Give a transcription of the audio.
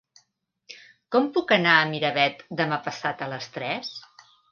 Com puc anar a Miravet demà passat a les tres?